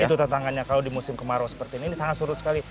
itu tantangannya kalau di musim kemarau seperti ini ini sangat surut sekali